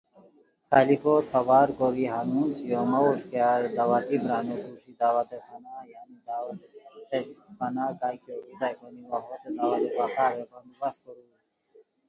خلفوت خبر کوری ہنون چھویو مہ ووݰکیار دعوتی برانو کوݰی دعوتِ فنا (دعوت فنا کا اوبریتائے کونی وا ہوتے دعوت بقا ریر) بندوبست کورور